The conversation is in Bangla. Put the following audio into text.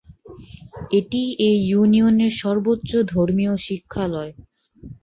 এটি এ ইউনিয়নের সর্বোচ্চ ধর্মীয় শিক্ষালয়।